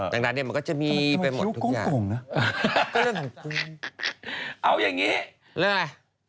ดังนั้นเนี่ยมันก็จะมีไปหมดทุกอย่างนะเอาอย่างนี้เรื่องอะไร